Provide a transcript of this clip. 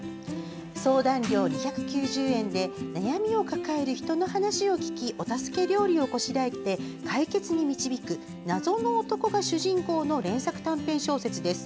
相談料２９０円で悩みを抱える人の話を聞きお助け料理をこしらえて解決に導く謎の男が主人公の連作短編小説です。